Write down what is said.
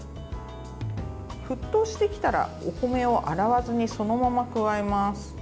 沸騰してきたらお米を洗わずにそのまま加えます。